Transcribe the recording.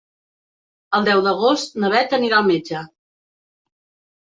El deu d'agost na Beth anirà al metge.